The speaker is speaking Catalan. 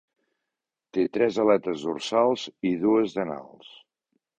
Té tres aletes dorsals i dues d'anals.